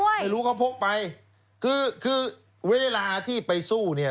ไม่รู้เขาพกไปคือคือเวลาที่ไปสู้เนี่ย